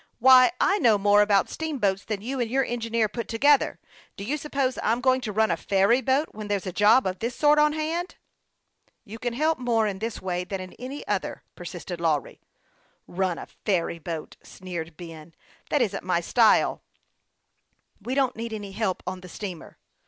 "Why, I know more about steamboats than you and your engineer put together. Do you suppose I'm going to run a ferry boat when there's a job of this sort on hand ?"" You can help more in this way than in any other," persisted Lawry. " Run a ferry boat !" sneered Ben ;" that isn't my style." " We don't need any help on the steamer."